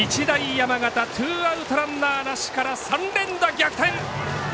山形、ツーアウトランナーなしから３連打、逆転。